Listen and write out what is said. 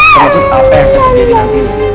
termasuk apa yang akan jadi nanti